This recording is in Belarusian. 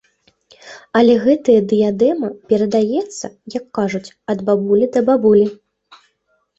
Але гэтая дыядэма перадаецца, як кажуць, ад бабулі да бабулі.